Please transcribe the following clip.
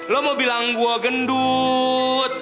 lo mau bilang gua gendut